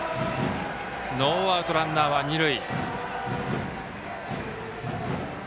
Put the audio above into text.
ノーアウト、ランナーは二塁。